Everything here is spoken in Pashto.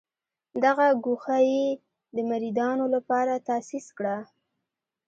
دغه ګوښه یې د مریدانو لپاره تاسیس کړه.